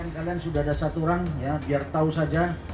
kalian sudah ada satu orang ya biar tahu saja